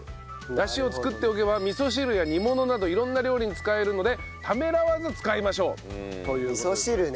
ダシを作っておけば味噌汁や煮物など色んな料理に使えるのでためらわず使いましょうという事です。